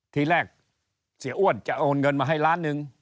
ทีแรกเสียอ้วนจะโอนเงินมาให้ล้านหนึ่ง